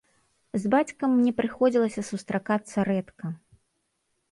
З бацькам мне прыходзілася сустракацца рэдка.